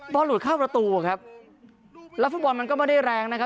หลุดเข้าประตูครับแล้วฟุตบอลมันก็ไม่ได้แรงนะครับ